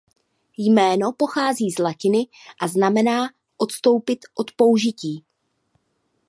Jméno pochází z latiny a znamená „odstoupit od použití“.